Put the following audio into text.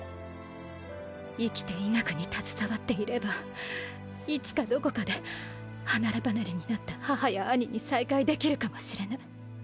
生きて医学に携わっていればいつかどこかで離れ離れになった母や兄に再会できるかもしれない。